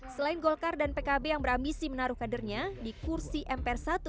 selain golkar dan pkb yang berambisi menaruh kadernya di kursi mpr satu